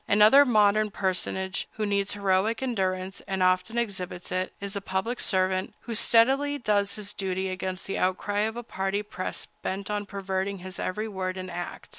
Another modern personage who needs heroic endurance, and often exhibits it, is the public servant who steadily does his duty against the outcry of a party press bent on perverting his every word and act.